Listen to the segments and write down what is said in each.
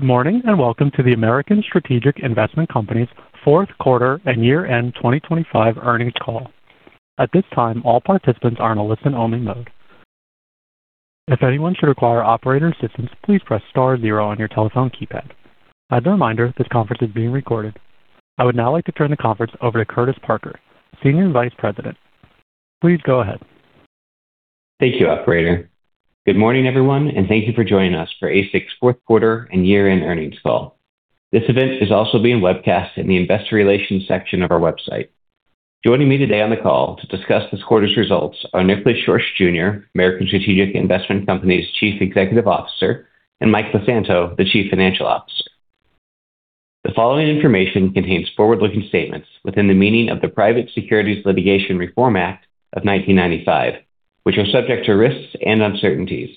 Good morning and welcome to the American Strategic Investment Co.'s fourth quarter and year-end 2025 earnings call. At this time, all participants are in a listen-only mode. If anyone should require operator assistance, please press star zero on your telephone keypad. As a reminder, this conference is being recorded. I would now like to turn the conference over to Curtis Parker, Senior Vice President. Please go ahead. Thank you, operator. Good morning, everyone, and thank you for joining us for ASIC's fourth quarter and year-end earnings call. This event is also being webcast in the investor relations section of our website. Joining me today on the call to discuss this quarter's results are Nicholas Schorsch, Jr., American Strategic Investment Company's Chief Executive Officer, and Michael LeSanto, the Chief Financial Officer. The following information contains forward-looking statements within the meaning of the Private Securities Litigation Reform Act of 1995, which are subject to risks and uncertainties.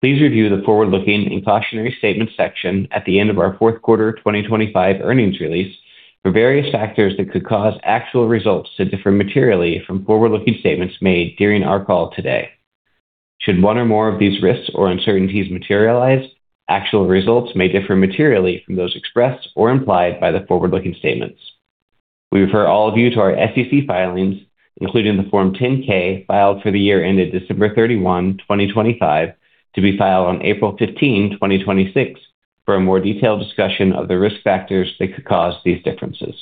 Please review the forward-looking and cautionary statements section at the end of our fourth quarter 2025 earnings release for various factors that could cause actual results to differ materially from forward-looking statements made during our call today. Should one or more of these risks or uncertainties materialize, actual results may differ materially from those expressed or implied by the forward-looking statements. We refer all of you to our SEC filings, including the Form 10-K filed for the year ended December 31, 2025, to be filed on April 15, 2026, for a more detailed discussion of the risk factors that could cause these differences.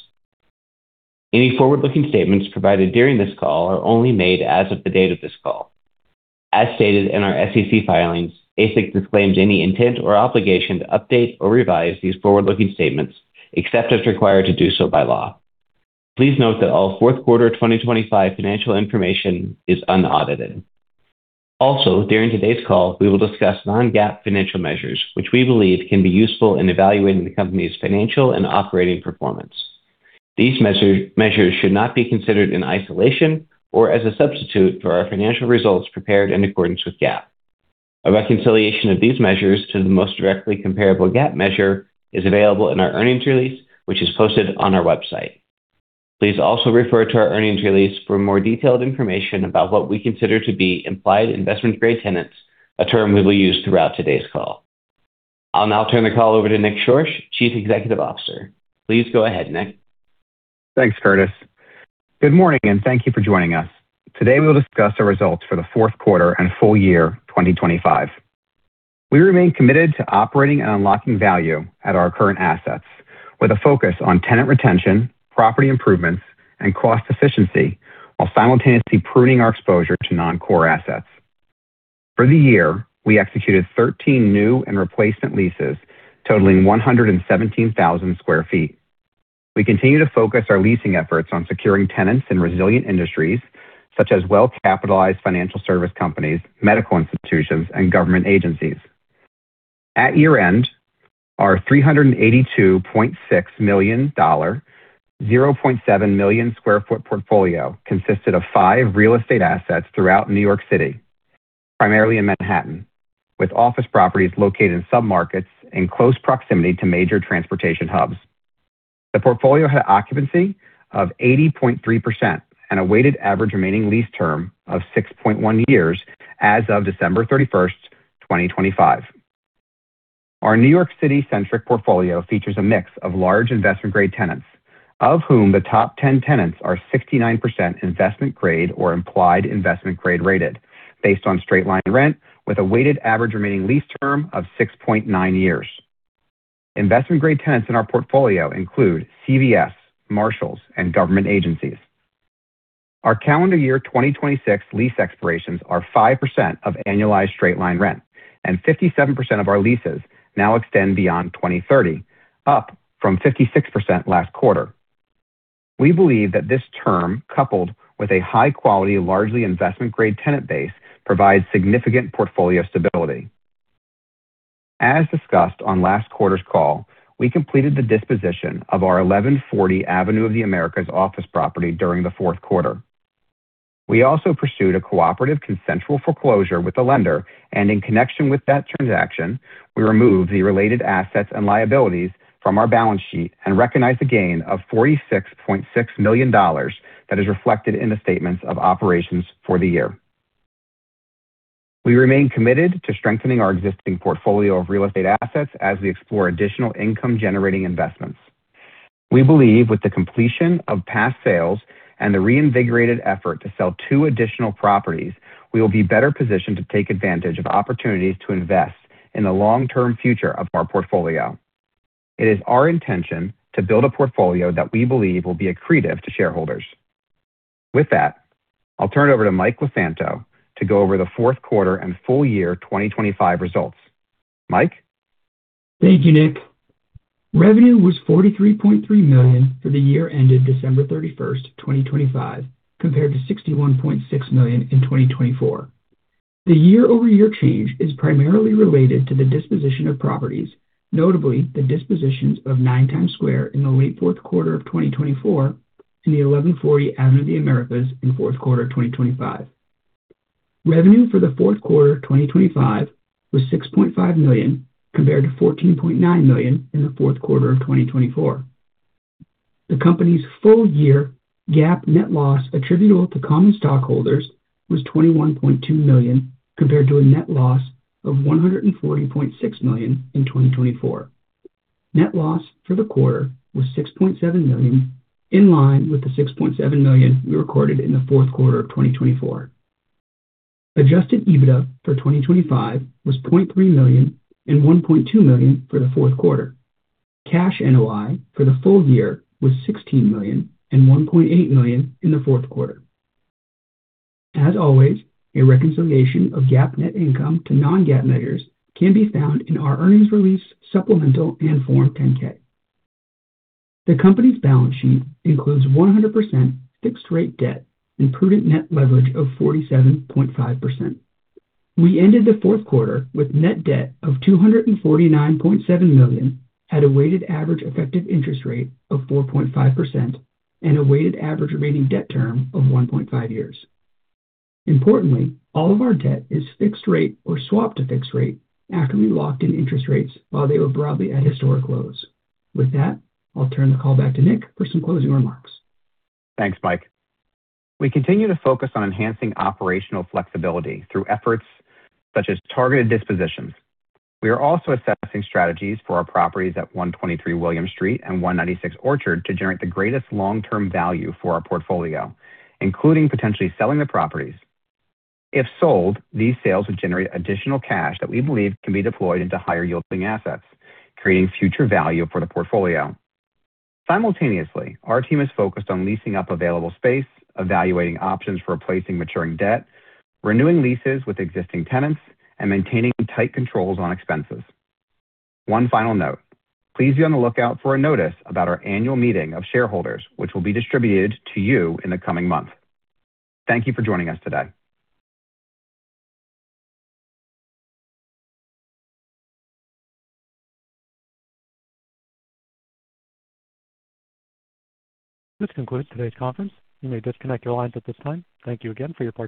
Any forward-looking statements provided during this call are only made as of the date of this call. As stated in our SEC filings, ASIC disclaims any intent or obligation to update or revise these forward-looking statements, except as required to do so by law. Please note that all fourth quarter 2025 financial information is unaudited. Also, during today's call, we will discuss non-GAAP financial measures, which we believe can be useful in evaluating the company's financial and operating performance. These measures should not be considered in isolation or as a substitute for our financial results prepared in accordance with GAAP. A reconciliation of these measures to the most directly comparable GAAP measure is available in our earnings release, which is posted on our website. Please also refer to our earnings release for more detailed information about what we consider to be implied investment-grade tenants, a term we will use throughout today's call. I'll now turn the call over to Nick Schorsch, Chief Executive Officer. Please go ahead, Nick. Thanks, Curtis. Good morning, and thank you for joining us. Today, we'll discuss our results for the fourth quarter and full year 2025. We remain committed to operating and unlocking value at our current assets with a focus on tenant retention, property improvements, and cost efficiency while simultaneously pruning our exposure to non-core assets. For the year, we executed 13 new and replacement leases totaling 117,000 sq ft. We continue to focus our leasing efforts on securing tenants in resilient industries, such as well-capitalized financial service companies, medical institutions, and government agencies. At year-end, our $382.6 million, 0.7 million sq ft portfolio consisted of five real estate assets throughout New York City, primarily in Manhattan, with office properties located in submarkets in close proximity to major transportation hubs. The portfolio had occupancy of 80.3% and a weighted average remaining lease term of 6.1 years as of December 31st, 2025. Our New York City-centric portfolio features a mix of large investment-grade tenants, of whom the top 10 tenants are 69% investment-grade or implied investment-grade-rated based on straight-line rent with a weighted average remaining lease term of 6.9 years. Investment-grade tenants in our portfolio include CVS, Marshalls, and government agencies. Our calendar year 2026 lease expirations are 5% of annualized straight-line rent, and 57% of our leases now extend beyond 2030, up from 56% last quarter. We believe that this term, coupled with a high-quality, largely investment-grade tenant base, provides significant portfolio stability. As discussed on last quarter's call, we completed the disposition of our 1140 Avenue of the Americas office property during the fourth quarter. We also pursued a cooperative consensual foreclosure with the lender, and in connection with that transaction, we removed the related assets and liabilities from our balance sheet and recognized a gain of $46.6 million that is reflected in the statements of operations for the year. We remain committed to strengthening our existing portfolio of real estate assets as we explore additional income-generating investments. We believe with the completion of past sales and the reinvigorated effort to sell two additional properties, we will be better positioned to take advantage of opportunities to invest in the long-term future of our portfolio. It is our intention to build a portfolio that we believe will be accretive to shareholders. With that, I'll turn it over to Michael LeSanto to go over the fourth quarter and full year 2025 results. Mike? Thank you, Nick. Revenue was $43.3 million for the year ended December 31st, 2025, compared to $61.6 million in 2024. The year-over-year change is primarily related to the disposition of properties, notably the dispositions of Nine Times Square in the late fourth quarter of 2024 and the 1,140 Avenue of the Americas in fourth quarter 2025. Revenue for the fourth quarter 2025 was $6.5 million, compared to $14.9 million in the fourth quarter of 2024. The company's full-year GAAP net loss attributable to common stockholders was $21.2 million, compared to a net loss of $140.6 million in 2024. Net loss for the quarter was $6.7 million, in line with the $6.7 million we recorded in the fourth quarter of 2024. Adjusted EBITDA for 2025 was $0.3 million and $1.2 million for the fourth quarter. Cash NOI for the full year was $16 million and $1.8 million in the fourth quarter. As always, a reconciliation of GAAP net income to non-GAAP measures can be found in our earnings release supplemental and Form 10-K. The Company's balance sheet includes 100% fixed-rate debt and prudent net leverage of 47.5%. We ended the fourth quarter with net debt of $249.7 million at a weighted average effective interest rate of 4.5% and a weighted average remaining debt term of 1.5 years. Importantly, all of our debt is fixed rate or swapped to fixed rate after we locked in interest rates while they were broadly at historic lows. With that, I'll turn the call back to Nick for some closing remarks. * Thanks, Mike. We continue to focus on enhancing operational flexibility through efforts such as targeted dispositions. We are also assessing strategies for our properties at 123 William Street and 196 Orchard Street to generate the greatest long-term value for our portfolio, including potentially selling the properties. If sold, these sales would generate additional cash that we believe can be deployed into higher yielding assets, creating future value for the portfolio. Simultaneously, our team is focused on leasing up available space, evaluating options for replacing maturing debt, renewing leases with existing tenants, and maintaining tight controls on expenses. One final note. Please be on the lookout for a notice about our annual meeting of shareholders, which will be distributed to you in the coming month. Thank you for joining us today. This concludes today's conference. You may disconnect your lines at this time. Thank you again for your participation.